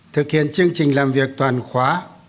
thực hiện chương trình làm việc toàn khóa